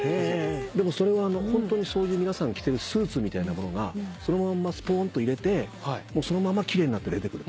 でもそれはホントにそういう皆さん着てるスーツみたいな物がそのまんますぽんと入れてそのまま奇麗になって出てくる？